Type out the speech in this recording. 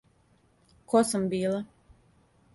Ко сам била.